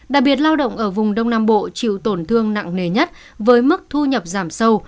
đặc biệt lao động ở vùng đông nam bộ chịu tổn thương nặng nề nhất với mức thu nhập giảm sâu